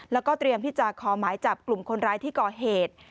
แล้วก็เตรียมที่จะขอหมายจับกลุ่มคนร้ายที่ก่อเหตุ